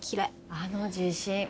あの自信。